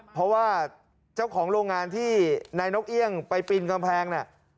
เพราะว่าเจ้าของโรงงานที่นายนกเอี่ยงไปปีนกำแพงเนี่ย